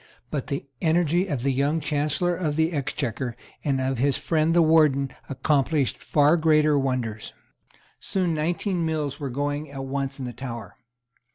But the energy of the young Chancellor of the Exchequer and of his friend the Warden accomplished far greater wonders. Soon nineteen mills were going at once in the Tower.